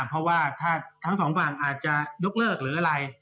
เพราะว่าถ้าทั้งสองฝั่งอาจจะยกเลิกหรืออะไร